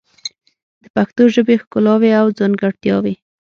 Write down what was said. د پښتو ژبې ښکلاوې او ځانګړتیاوې